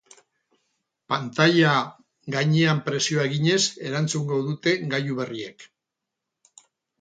Pantaila gainean presioa eginez erantzungo dute gailu berriek.